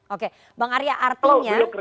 oke bang arya artem ya